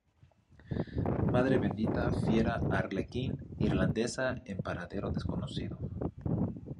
Madre bendita Fiera Arlequín irlandesa en paradero desconocido.